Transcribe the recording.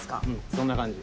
そんな感じ。